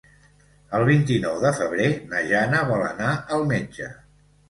El vint-i-nou de febrer na Jana vol anar al metge.